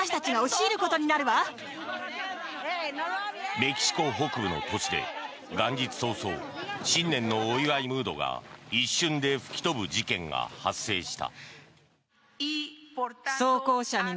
メキシコ北部の都市で元日早々、新年のお祝いムードが一瞬で吹き飛ぶ事件が発生した。